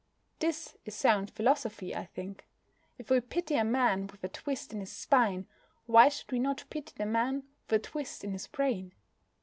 This is sound philosophy, I think. If we pity a man with a twist in his spine, why should we not pity the man with a twist in his brain?